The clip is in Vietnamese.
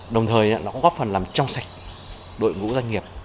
đồng thời nó có phần làm trong sạch đội ngũ doanh nghiệp